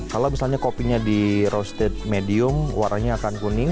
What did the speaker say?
kalau misalnya kopinya di roasted medium warnanya akan kuning